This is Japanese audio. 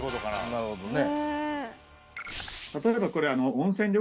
なるほどね